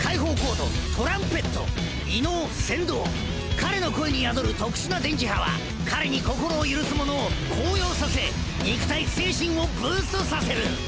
彼の声に宿る特殊な電磁波は彼に心を許す者を高揚させ肉体・精神をブーストさせる！